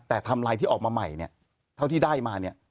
แต่ทำไลน์ที่ออกมาใหม่เนี่ยเท่าที่ได้มาเนี่ย